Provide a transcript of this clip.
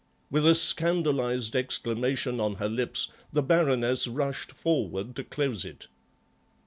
With a scandalised exclamation on her lips, the Baroness rushed forward to close it.